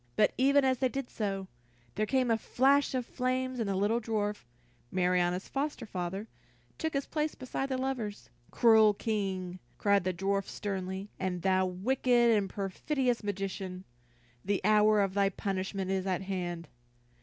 But even as they did so, there came a flash of flame and the little dwarf, Marianna's foster father, took his place beside the lovers. "Cruel King!" cried the dwarf sternly, "and thou, wicked and perfidious magician, the hour of thy punishment is at hand."